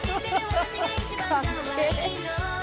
かっけえ。